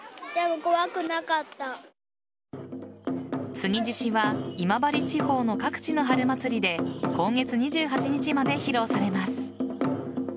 継ぎ獅子は今治地方の各地の春祭りで今月２８日まで披露されます。